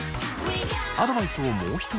アドバイスをもう一つ。